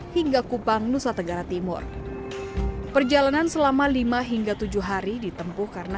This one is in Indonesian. hingga kupang nusa tenggara timur perjalanan selama lima hingga tujuh hari ditempuh karena